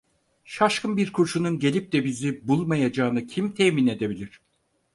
Şaşkın bir kurşunun gelip de bizi bulmayacağını kim temin edebilir?